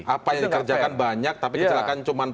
apa yang dikerjakan banyak tapi kecelakaan cuma empat belas